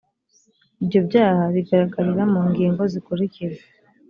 ibyo byaha bigaragarira mu ngingo zikurikira